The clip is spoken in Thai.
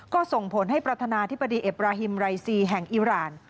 ก็ส่งผลให้ประธานาธิบดีเอบราฮิมรายซีแห่งอิราณ